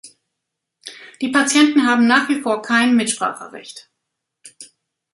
Die Patienten haben nach wie vor kein Mitspracherecht.